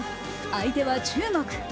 相手は中国。